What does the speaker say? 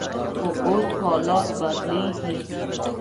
خو اوس حالات بدلیږي.